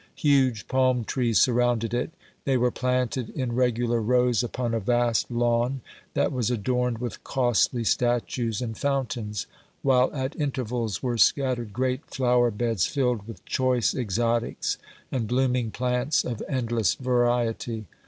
Huge palm trees surrounded it; they were planted in regular rows upon a vast lawn that was adorned with costly statues and fountains, while at intervals were scattered great flower beds filled with choice exotics and blooming plants of endless variety.